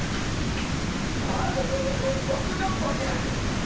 大奮発頑張りしてんけどな。